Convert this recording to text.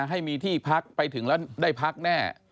ให้มีที่พักไปถึงแล้วได้พักแน่